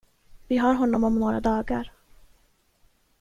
Vi har honom om några dagar.